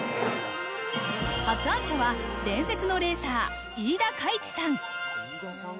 発案者は、伝説のレーサー、飯田加一さん。